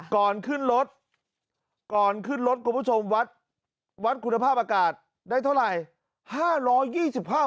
ก่อนขึ้นรถก่อนขึ้นรถคุณผู้ชมวัดคุณภาพอากาศได้เท่าไหร่